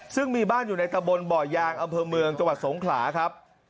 ซึ่งมีบ้านอยู่ในตะบนบ่อยางอำเภอเมืองจังหวัดสงขลาครับ